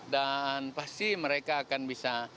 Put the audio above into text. dan pasti mereka akan bisa